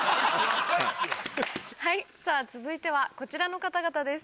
さぁ続いてはこちらの方々です。